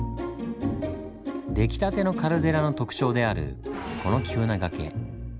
できたてのカルデラの特徴であるこの急な崖。